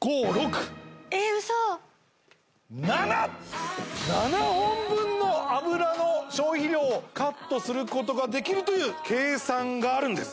５６えっウソ７！７本分の油の消費量をカットすることができるという計算があるんです